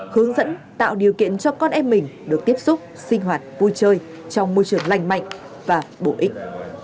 hướng dẫn tạo điều kiện cho con em mình được tiếp xúc sinh hoạt vui chơi trong môi trường lành mạnh và bổ ích